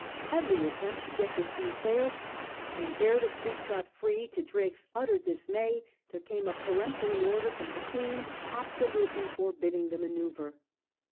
Every attempt to get to sea failed, and ere the fleet got free, to Drake's utter dismay there came a peremptory order from the Queen absolutely forbidding the manoBUvre.